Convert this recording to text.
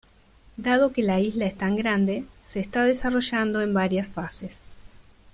Dado que la isla es tan grande, se está desarrollando en varias fases.